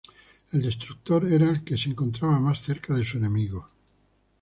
El destructor era el que se encontraba más cerca de su enemigo.